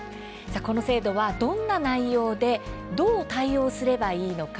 この制度はどんな内容でどう対応すればいいのか。